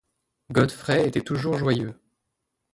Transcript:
Godfrey était tout joyeux.